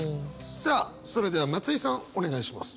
さあそれでは松居さんお願いします。